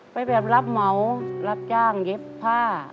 แบบรับเหมารับจ้างเย็บผ้า